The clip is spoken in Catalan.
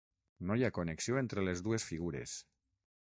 No hi ha connexió entre les dues figures.